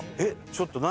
ちょっと何？